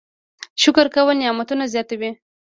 شکر کول نعمتونه زیاتوي